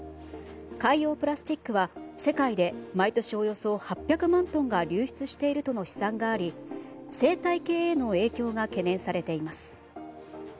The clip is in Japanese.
海洋プラスチックは世界で毎年およそ８００万トンが流出しているとの試算があり生態系への影響が懸念されています。